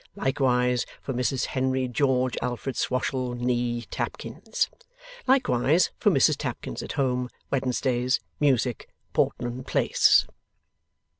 Likewise, for Mrs Henry George Alfred Swoshle NEE Tapkins. Likewise, for Mrs Tapkins at Home, Wednesdays, Music, Portland Place.